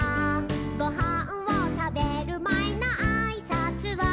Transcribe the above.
「ごはんをたべるまえのあいさつは」